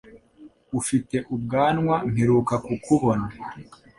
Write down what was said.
Ufite ubwanwa mperuka kukubona.